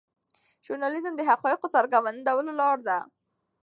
ژورنالیزم د حقایقو څرګندولو لاره ده.